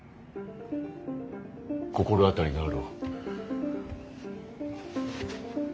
心当たりがあろう。